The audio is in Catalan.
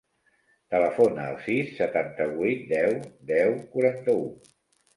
Telefona al sis, setanta-vuit, deu, deu, quaranta-u.